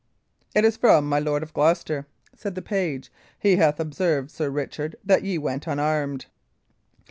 "It is from my Lord of Gloucester," said the page. "He hath observed, Sir Richard, that ye went unarmed."